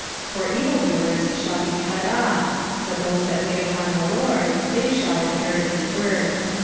9 For evil doers shall be cut ofT : but those that wait upon the Lord, they shall inherit the earth.